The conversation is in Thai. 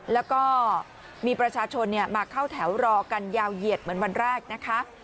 แล้วก็มีประชาชนมาเข้าแถวรอกันยาวเหยียดเหมือนวันแรกนะคะ